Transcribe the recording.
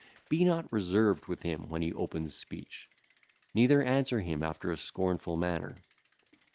Be not reserved with him when he openeth speech, neither answer him after a scornful manner.